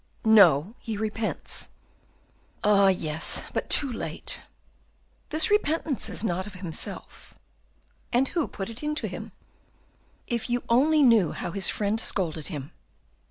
"No, he repents." "Ah yes! but too late." "This repentance is not of himself." "And who put it into him?" "If you only knew how his friend scolded him!"